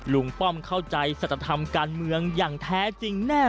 ป้อมเข้าใจสัตธรรมการเมืองอย่างแท้จริงแน่